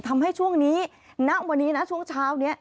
ทำให้ช่วงนี้ณวันนี้นะช่วงเช้านี้